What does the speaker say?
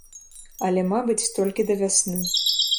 Але, мабыць, толькі да вясны.